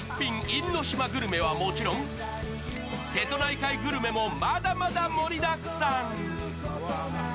因島グルメはもちろん瀬戸内海グルメも、まだまだ盛りだくさん。